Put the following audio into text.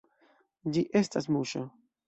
Ĝi estas muŝo.